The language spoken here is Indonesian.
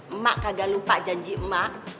emak kagak lupa janji emak